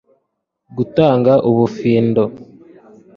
gutanga ubufindo